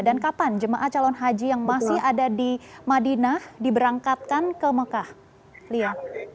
dan kapan jemaah calon haji yang masih ada di madinah diberangkatkan ke mekah lia